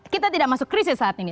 kita tidak masuk krisis saat ini